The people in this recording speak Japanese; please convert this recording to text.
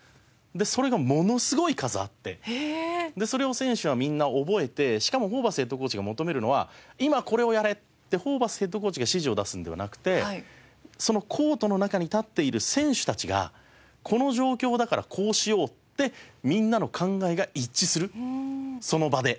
それがものすごい数あってそれを選手はみんな覚えてしかもホーバスヘッドコーチが求めるのは「今これをやれ」ってホーバスヘッドコーチが指示を出すのではなくてそのコートの中に立っている選手たちが「この状況だからこうしよう」ってみんなの考えが一致するその場で。